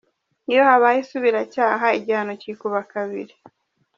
Iyo habaye isubiracyaha, igihano cyikuba kabiri.